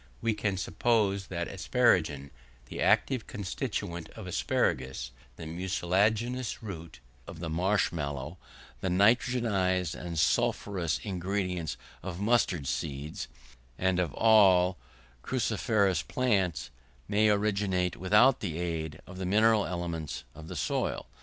We can suppose that asparagin, the active constituent of asparagus, the mucilaginous root of the marsh mallow, the nitrogenised and sulphurous ingredients of mustard seed, and of all cruciferous plants, may originate without the aid of the mineral elements of the soil.